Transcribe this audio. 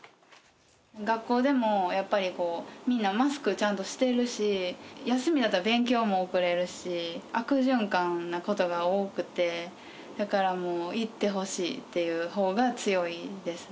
学校でも、やっぱりみんなマスクちゃんとしてるし、休みだったら勉強も遅れるし、悪循環なことが多くて、だからもう、行ってほしいっていうほうが強いです。